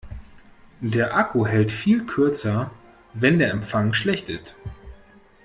Der Akku hält viel kürzer, wenn der Empfang schlecht ist.